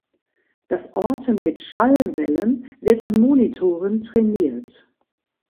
Das Orten mit Schallwellen wird an Monitoren trainiert.